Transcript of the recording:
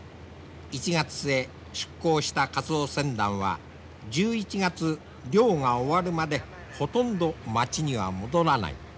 １月末出港したカツオ船団は１１月漁が終わるまでほとんど町には戻らない。